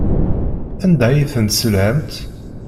Anda ay ten-tesselhamt?